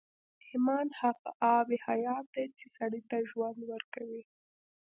ايمان هغه آب حيات دی چې سړي ته ژوند ورکوي.